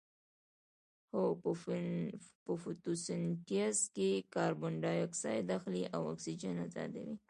هو په فتوسنتیز کې کاربن ډای اکسایډ اخلي او اکسیجن ازادوي